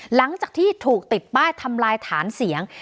หลังจากที่ถูกติดป้ายทำลายฐานเสียง